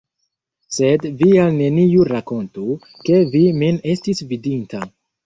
Sed vi al neniu rakontu, ke vi min estis vidinta!